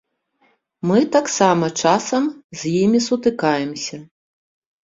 Мы таксама часам з імі сутыкаемся.